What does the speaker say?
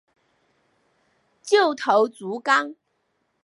旧头足纲